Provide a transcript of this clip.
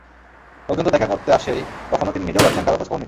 লোকজন তো দেখা করতে আসছেই, কখনো তিনি নিজেও যাচ্ছেন কারও খোঁজখবর নিতে।